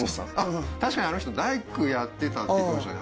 うん確かにあの人大工やってたって言ってましたね